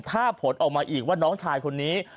ถ้าผลออกมาอีกว่าน้องชายคนนี้